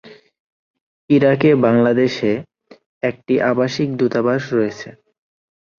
ইরাকে বাংলাদেশে একটি আবাসিক দূতাবাস রয়েছে।